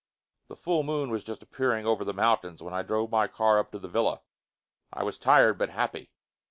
The full moon was just appearing over the mountains when I drove my car up to the villa. I was tired, but happy.